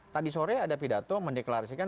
tadi sore ada pidato mendeklarasikan